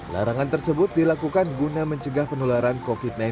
larangan tersebut dilakukan guna mencegah penularan covid sembilan belas